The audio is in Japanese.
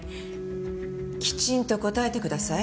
きちんと答えてください。